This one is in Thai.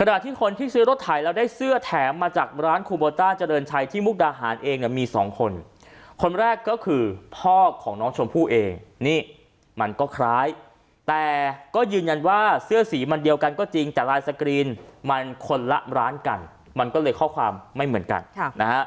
ขณะที่คนที่ซื้อรถถ่ายแล้วได้เสื้อแถมมาจากร้านคูโบต้าเจริญชัยที่มุกดาหารเองเนี่ยมีสองคนคนแรกก็คือพ่อของน้องชมพู่เองนี่มันก็คล้ายแต่ก็ยืนยันว่าเสื้อสีมันเดียวกันก็จริงแต่ลายสกรีนมันคนละร้านกันมันก็เลยข้อความไม่เหมือนกันนะฮะ